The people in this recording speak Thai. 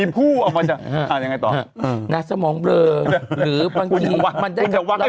ผู้ค้า